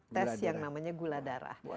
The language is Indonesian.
tes yang namanya gula darah